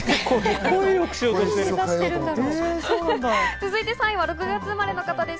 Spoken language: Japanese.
続いて３位は６月生まれの方です。